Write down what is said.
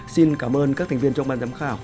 xin cảm ơn các thành viên trong ban giám khảo